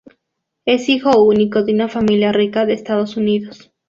Es hijo único de una familia rica de Estados Unidos.